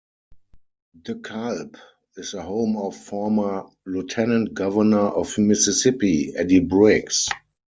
De Kalb is the home of former Lieutenant Governor of Mississippi Eddie Briggs.